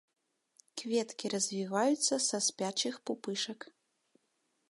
Кветкі развіваюцца са спячых пупышак.